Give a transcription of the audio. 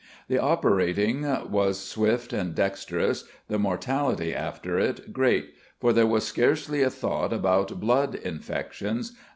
The operating was swift and dexterous, the mortality after it great, "for there was scarcely a thought about blood infections